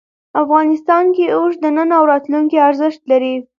افغانستان کې اوښ د نن او راتلونکي ارزښت لري.